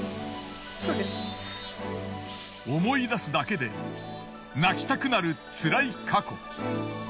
思い出すだけで泣きたくなるつらい過去。